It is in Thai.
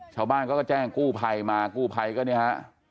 ชาวบ้านก็แจ้งปลอแคฯคัมไทน์มาปลอแคฯคัมไทน์ก็ในฮะ